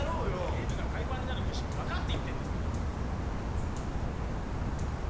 デブが海パンになる苦しみ分かって言ってんですか？